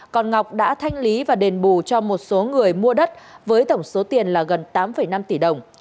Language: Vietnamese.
còn ngọc đã thanh lý và đền bù cho một số người mua đất với tổng số tiền là gần tám năm tỷ đồng